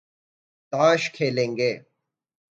تاش کھیلیں گے